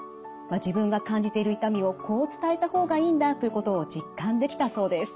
自分が感じている痛みをこう伝えた方がいいんだということを実感できたそうです。